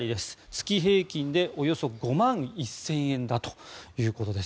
月平均でおよそ５万１０００円だということです。